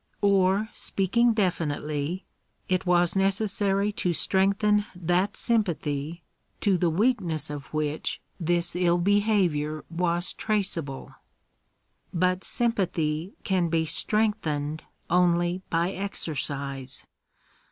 Or, speaking definitely, it was necessary to strengthen that sympathy to the weakness of which this ill behaviour was traceable. •J But sympathy can be strengthened only by exercise.